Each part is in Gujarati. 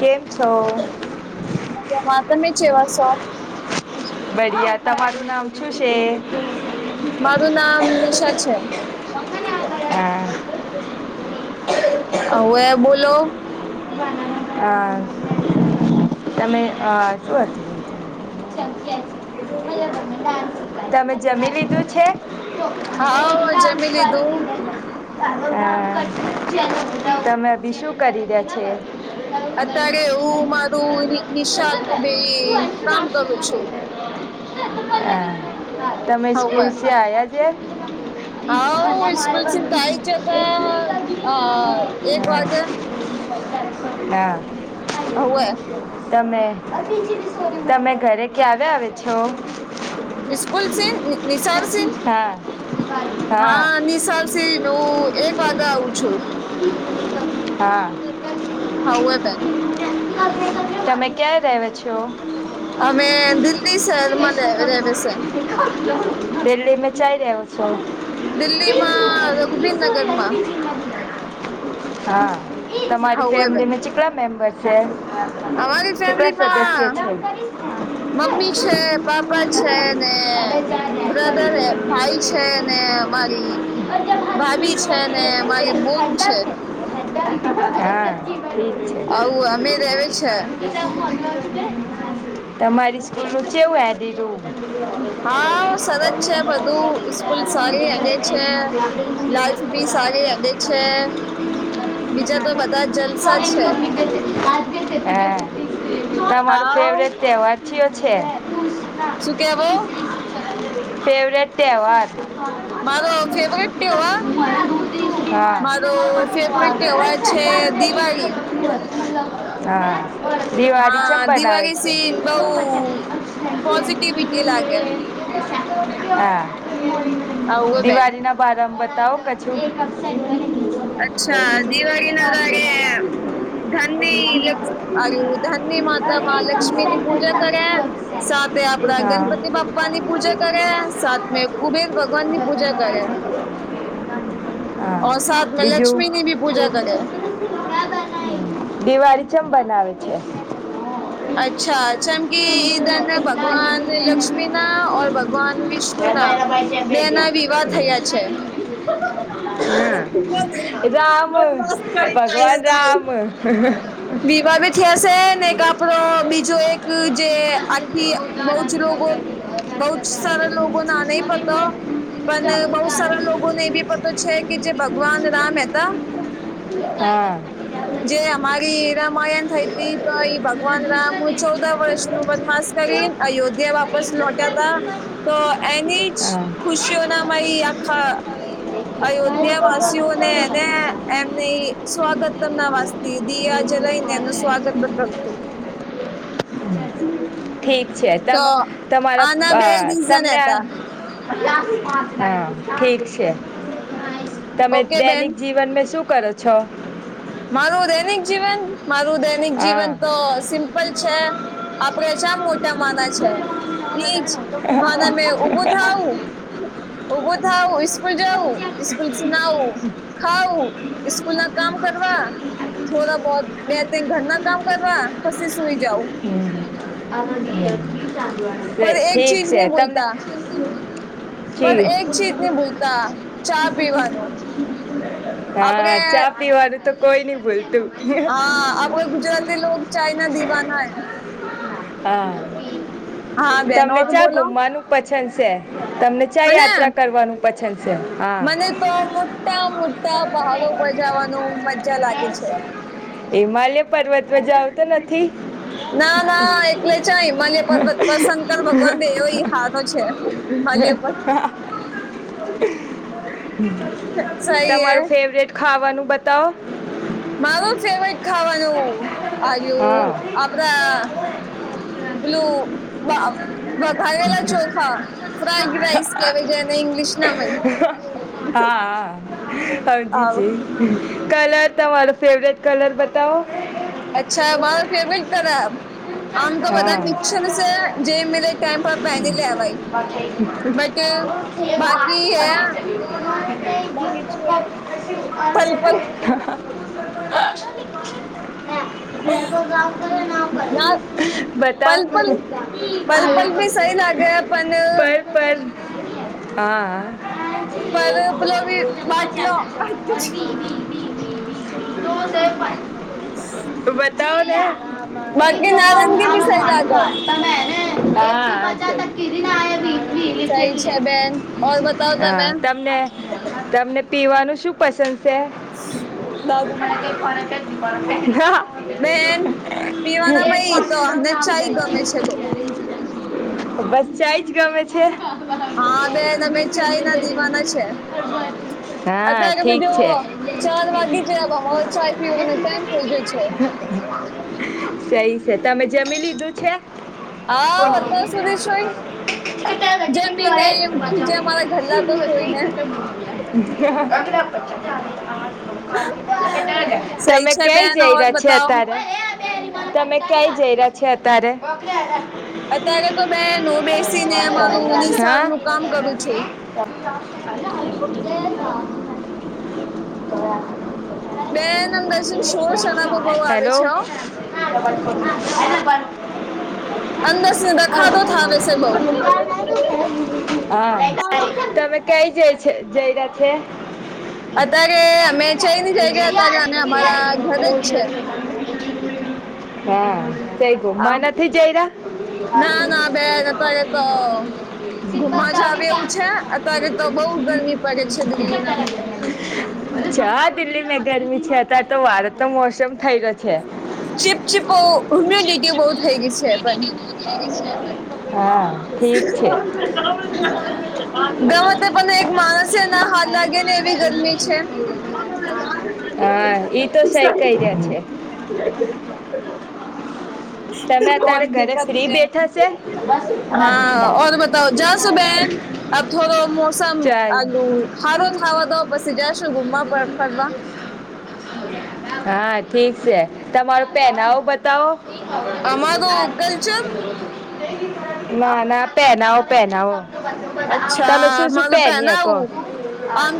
કેમ છો? મજામાં તમે ચેવા સો? બડીયા તમારું નામ છું છે? મારું નામ નિશા છે. હા અવે બોલો અ તમે અ શું [unintelligible] તમે જમી લીધું છે? હા જમી લીધું. [unintelligible] આ તમે અબી શું કરી રયા છે? હા અતારે હું મારું રીગ નિશાલ નું બે કામ કરું છું. હ તમે હવે સ્કૂલસી આયા જે હાવ સ્કૂલ થી તો આઈ જતા અ એક આ વાગે ના હવે તમે તમે ઘરે ક્યાવે આવે છો? ઇસ્કુલ સે? નિસાર સે? હા હા નિશાલસિન હું એક વાગે આવું છું. હા હાવે બેન તમે ક્યાં રેવે છો? અમે દિલ્લી શહેરમાંલે રેવે સે દિલ્લી મે ચાઈ રેવો સ દિલ્હીમાં રઘુબીરનગરમાં [unintelligible] હા તમારી હાઉએવર ફેમિલીમે ચીકળા મેમ્બર છે? અમારી કેટલા ફેમલીમાં સદસ્ય છે મમ્મી છે પાપા છે ને બ્રધર હે ભાઈ છે ને મારી ભાભી છે ને મારી મૂન છે. હા ઠીક આવું અમે રહેવે છે છે તમારી સ્કૂલનું ચેવું હેડીલું? હા સરચ છે બધું ઇસ્કૂલ સારી હેંડે છે લાઇફ બી સારી હેંડે ચ છે બીજા તો બધા જલસા છે. હા તમાર હા ફેવરેટ તેવાર કયો છે શું કેવો? ફેવરેિટ તહેવાર? મારો ફેવરેટ તેવાર? હા. મારો ફેવરેટ તહેવાર છે દિવાળી. હા દિવાળીચમ હા બનાવે દિવાળી છે સીન બઉ પોઝિટિવિટી લાગે હ આવું હે બેન દિવાળીના ભારામાં બતાવો કછું [inaudible] અચ્છા દિવાળી ના દડે ધન ની ધન ની માતા મહાલક્ષ્મી ની પૂજા કરે સાથે આપડા હા ગણપતિ બાપ પા ની હા પૂજા કરે સાતમે કુબેર ભગવાન ની પૂજા કરે હ ઓર સાથ મે બીજું? લક્ષ્મી ની ભી પૂજા કરે દિવાળી ચેમ બનાવે છે અચ્છા જેમકી ઈ ધન ભગવાન લક્ષ્મી ના ઓર ભગવાન વિષ્ણુ ના બે ના વિવાહ થયા છે હ રામ ભગવાન રામ વિવાહ બી થ્યાં શે ને એક આપડો બીજો એક જે આખી બહુ જ રોગો બહુત સારા લોગોને આ ન પતા પણ બહુત સારા લોગોને ભી પ છે કે જે ભગવાન રામ હતા હા જે અમારી તે રામાયણ થઈ તી તો એઈ ભગવાન રામ ચૌદા વર્ષ નું વનમાસ કરીને અયોધ્યા વાપસ લોટ્યા તા તો એની જ હા ખુશી શ્યો ના માાઈ આખા અયોધ્યા વાસીઓને ને એમને સ્વાગત તમ ના વાસ દિયા જલાઈઇને એનું સ્વાગત પણ કર્યું હતું ઠીક તો [unintelligible] આના બે રીઝન હતા [unintelligible] હા ઠીક છે. તમે ઓકે બેન દૈનિક જીવન મે શું કરો છો? મારું દૈનિક જીવન મારું દે- દૈનિક હા જીવન તો સિમ્પલ છે આપડે ચ્યા મોટા માન છે. એ જ- [unintelligible] મે ઠીક ઉભું થાવું ઉભું થ આવું સ્કૂલ જાઉ સ્કૂલ- નાઉ ખાઉં સ્કૂલ ના કામ- કરવા થોડા બે તન ઘરના કામ કરવા પછી સુઈ જાવુ- હમ અ- પર એક ઠીક ચીજ છે નહીં તમને- ભૂલતા પણ ઠીક- એક ચીજ નહી ભૂલતા ચા પીવાનું આપડે હા ચા પીવાનું તો કોઈ નઈ ભૂલતું- હા આપડે ગુજરાતી લોગ ચાય ના દિવાના હૈ- હા હા બેન તમને ઓર ચા બોલો ઘુમવાનું- પસંદ છે તમને ક્યાં મને યાત્રા કરવાનું પસંદ છે? હા મને તો મોટા મોટા પહાડો પર જવાનું મજા લાગે છે. હિમાલય પર્વતમાંજા આવતો નથી. હા એટલે છે મને હિમાલય પર્વત પસંદ કરવો ગમે ઈ હારો છે હિમાલય પર- સહી હે તમારું ફેવરેટ- ખાવાનું બતાવ- મારું ફેવરટ ખાવાનું આરયુ હા આપડા- પેલું બા- વઘાવેલા ચોખા ફ્રાઈડ રાઈસ કેવાય જેને ઈંગ્લિશ ના હોય- હા, હા, સમજી જઇ. કલર તમારો ફેવરેટ કલર બતાવો. અચ્છા, માર પેમેન્ટ કર. આમ તો હા બધા મિક્સર છે, જે બતાવ મે લ ટાઈમ પર પેહેની લેવાય બટ. બાકી હે [unintelligible] બાકી શું હે પલ પલ હા. [unintelligible] ના. પલ પલ હતા પલ પલ બી સહી લાગે [inaudible] પણ પર પર હા, પેલો બી બાટલો હા. બાટલો જ. હચી. બી બી બતાવોને. [unintelligible] [inaudible] સહી છે બેન ઓર બતાવો તમે હા તમને તમને પીવાનું શું પસંદ છે? દાદુ [inaudible] [inaudible] બસ બેન પીવાનામાં ઈ તો અમને ચાય ગમે છે બહુ ચાય જ ગમે હા બેન અમે ચાય ના [inaudible] અતારે ઠીક છે બીજું ચાર વાગી જ્યાં હવે ચાય પીવા નો ટાઈમ થઈ ગ્યો છે. સઈ સે તમે જમી લીધું છે? [inaudible] આવ અત્યાર સુધી સોઈ જમીને ઉઠી જાય મારા ઘરલા તો સોઈને [inaudible] સહી તમે છે કય બેન જઈ ઓર રહ્યા છે બતાવો અતારે તમે કઈ જઈ રહ્યા છે અત્યારે અત્યારે તો બેન હું બેસીને મારું હા. નિસર્ગનું કામ કરું છું [inaudible] બેન અંદર થિન સોર સરાબો બહુ આવે હેલો છે હો અંદર સે [unintelligible] [inaudible] હા તમે કઈ જ જઈ રહ્યા છે? [inaudible] અત્યારે અમે જઈ ની જગ્યાએ અત્યારે અમે અમારા ઘરે જ છે [inaudible] હા. કઈ આ ઘૂમવા નથી જઈ રહ્યા? [inaudible] ના ના બેન અત્યારે તો ઘુમા જ આવે એવું છે અત્યારે તો બહુ ગરમી પડે છે દિલ્હીના મેદાન [inaudible] છા દિલ્હી મેં ગરમી છે અત્યારે તો વાર તો મોસમ થય રહ્યો છે. ચીપ ચીપો ઇમ્યુનિટી બહુ થઈ ગઈ છે પણ. હા ઠીક છે ગમે તે પણ એક માણસ હેના હાથ લાગે ને એવી ગરમી છે. હા ઈ તો સહી કઈ રહયા છે. તમે અત્યારે ઘરે ફ્રી બેઠા છે [unintelligible] હા ઓર બતાવો જસુબેન અબ થોડો મોસમ ચાલ આ હારો થાવા દો પછી જશું ગુમવા, ફરવા. હા ઠીક છે. તમાર પેનાવું બતાવો. અમારું કલ્ચર [inaudible] ના પેનાવો પેનાવો. તમે શું અચ્છા શું મારું પેહની હકો? પહેનાવું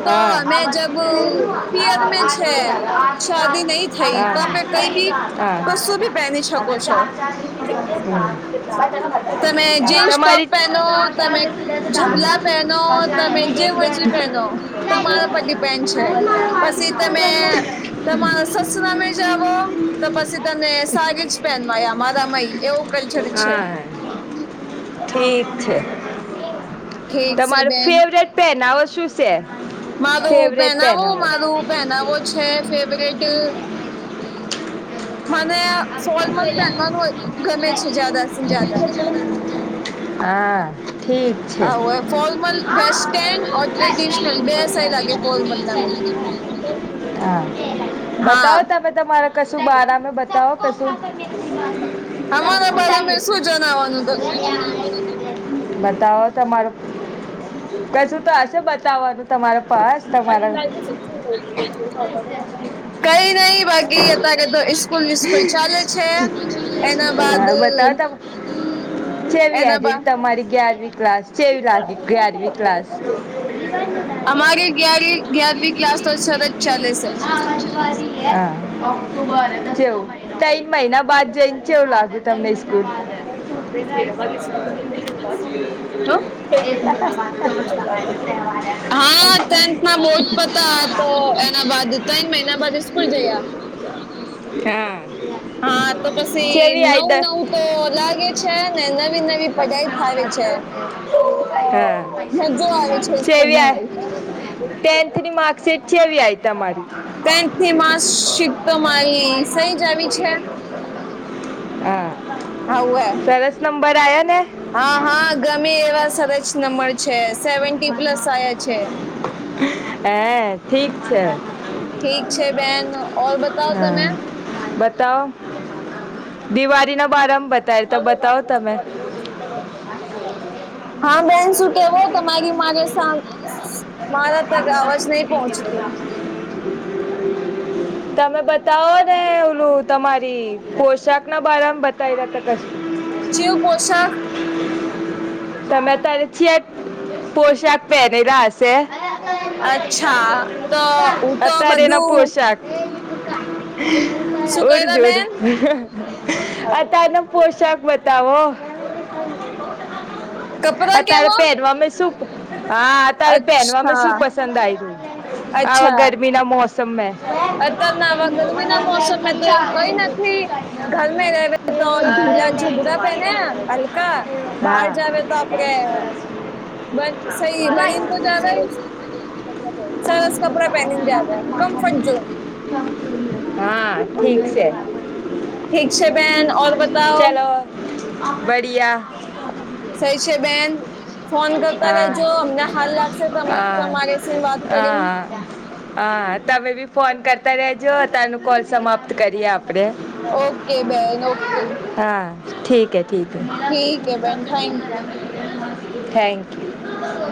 હા પિયર મેં છે શાદી નહી થઈ તો આપણે કઈ બી કશું બી પહેની શકો છો [inaudible] [inaudible] [inaudible] તમારી પેનો તમે જભલા પહેનો તમે જે હો છે પહેનો તમારા પર ડિપેન્ડ છે પસ પછી તમે તમારા સસ નામે જાવો- તો પછી તને સાગ જ પહેનવાયા મારા મય એવું કલ્ચર છે. હા ઠીક છે ઠીક છે તમારે બેન ફેવરેટ - પહેનાવ શું? છે. માર ફેવરેટ પેન પહેનાવો આવો મારું પહેનાવો છે ફેવરેટ- મને ફોલમલ બાંધવાનું ગમે છે જ્યાદા સિ જદા [unintelligible] હા ઠીક છે. આવો ફોર્મલ હા વેસ્ટર્ન ઓર ટ્રેડિશનલ બે સહી લાગે ફોર્મલના ભાઈ હા બતાવો તમે તમારા- કશું બારામાં બતાવ કશું- આમારા બાર મે શું જણાવવાનું તમને- બતાવો તમારું કશું તો હશે બતાવવાનું તમારા પાસ- તમારા કઈ નહી બાકી અ- સ્કૂલ વિસ્કુલ ચાલે છે. એના બાદ જેવી એના બા હાજેરી તમારી ગ્યારમી ક્લાસ જેવી લાગે ગ્યારમી ક્લાસ- અમારી ગ્યાર ગ્યારમી ક્લાસ તો સરસ ચાલે છે. હા છેવ- તન મહિના બાદ જઈને એવું લાગે તમને સ્કૂલ- જ [unintelligible] હા ટેન્થમાં બોર્ડ પતા તો એના બાદ ત્રણ મહિના બાદ સ્સ્કૂલ જયા [unintelligible] છેાર [unintelligible] હા તો પછી નવું નવું તો લાગે છે ને નવી નવી પઢઈ થાય છે. હા મજો આવે છે છેવી આ- સ્કૂલમાં ટેન્થ ટેન્થની માર્કશીટ કેવી આય તમારી- શીખતો મારી સહી જ આવી છે હા હવે સરસ નંબર આયા ને હા હા ગમે એવા સરસ નંબર છે સેવ પ્લસ આયા છે હે ઠીક છે ઠીક છે બેન ઓર બતાવ તમે બતાવ દિવાળી ના બારામાં બતાય તો બતાવ તમે હા બેન શું કેવો તો મા મારે મારા તક આવાજ નહી પહોંચતી [inaudible] તમે બતાવો ને ઓલુ તમારી પોશાક ના બારમાં બતાવી રહ્યાતા જીવ પોશાક તમે તો છ જ પોશાક પહેરેલા હશે અચ્છા તો હું તો અત્યારે નો બધું પોશાક શું કર્યા ઉડજુડ બેન અતારનો પોશાક બતાવો અ કપરા તારે કેવા પહેરવા શુ હા તારે પહેનવા અચ્છા શું પસંદ આયું હ અચ્છા ગરમી ના મોસમ સમય અત્યારના આવા ગરમીના મોસમે તો એવું કઈ નથી ઘરમે રહેવે તો ઢીલા જબરા પહેને હા બ સહી બનીને તો જ સરસ કપડા પહેનીને જ આવ્યા કમ્ફર્ટ ઝોન હા ઠીક છે ઠીક છે બેન ઓર બતાવ બડિયા સહી સે બેન ફોન કરતા હા રેજો અમને હાલ લાગશે હા તમારી સ વાત કરીને હા હા તમે બી ફોન કરતા રજો અતારનું કોલ સમાપ્ત કરીએ આપ ઓકે બેન ઓકે હા ઠીક એ ઠીક ઠીક હ બેન થેન્ક યુ થેન્ક યુ